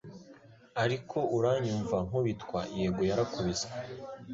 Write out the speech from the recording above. Ariko uranyumva nkubitwa yego yarakubiswe